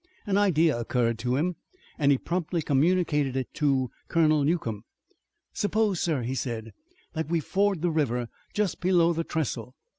An idea occurred to him and he promptly communicated it to Colonel Newcomb. "Suppose, sir," he said, "that we ford the river just below the trestle.